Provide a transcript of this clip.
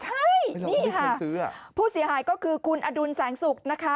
ใช่นี่ค่ะผู้เสียหายก็คือคุณอดุลแสงสุกนะคะ